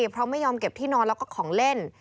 เพราะไม่ยอมเก็บที่นอนแล้วก็ของเล่น